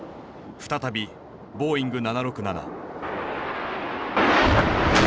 再びボーイング７６７。